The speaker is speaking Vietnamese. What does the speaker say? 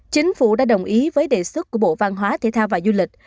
chính phủ đã đồng ý với đề xuất của bộ văn hóa thể thao và du lịch